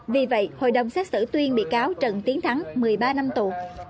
vì vậy hội đồng xét xử tuyên bị cáo trần tiến thắng một mươi ba năm tù